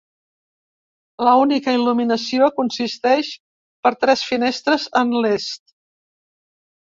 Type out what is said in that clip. L'única il·luminació consisteix per tres finestres en l'est.